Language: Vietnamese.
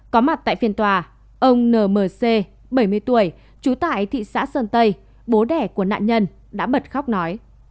có mặt tại phiên tòa ông nmc bảy mươi tuổi trú tại thị xã sơn tây bố đẻ của nạn nhân đã bật khóc nói